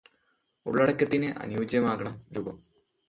ഉള്ളടക്കത്തിന് അനുയോജ്യമാകണം രൂപം.